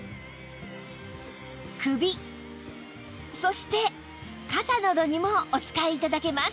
そして肩などにもお使い頂けます